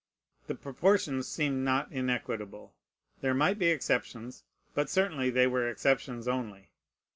The proportions seemed not inequitable. There might be exceptions; but certainly they were exceptions only.